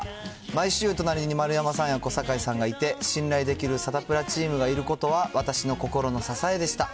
毎週隣に丸山さんや小堺さんがいて、信頼できるサタプラチームがいることは、私の心の支えでした。